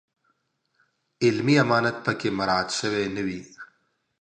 علمي امانت په کې مراعات شوی نه وي.